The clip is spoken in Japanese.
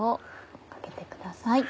かけてください。